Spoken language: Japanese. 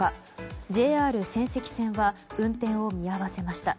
ＪＲ仙石線は運転を見合わせました。